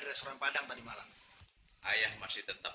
kalau saat ini lebih banyak